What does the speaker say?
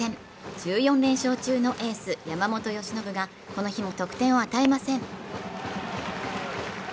１４連勝中のエース・山本由伸がこの日も得点を与えません。